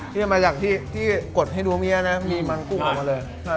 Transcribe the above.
นี่มาจากที่กดให้นัวเมียนะมีมันกุ้งออกมาเลย